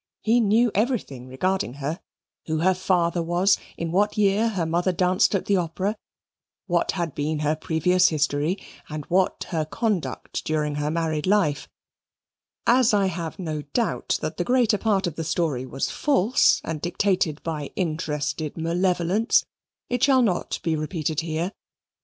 He knew everything regarding her: who her father was; in what year her mother danced at the opera; what had been her previous history; and what her conduct during her married life as I have no doubt that the greater part of the story was false and dictated by interested malevolence, it shall not be repeated here.